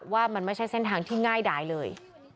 ว่ามันไม่ใช่เส้นทางที่ง่ายดายเลย